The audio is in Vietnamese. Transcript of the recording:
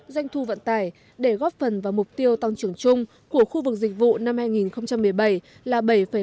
doanh thu vận tải để góp phần vào mục tiêu tăng trưởng chung của khu vực dịch vụ năm hai nghìn một mươi bảy là bảy một mươi chín